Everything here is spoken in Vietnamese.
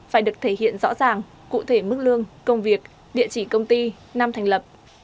phải được thể hiện rõ ràng cụ thể mức lương công việc địa chỉ công ty năm thành lập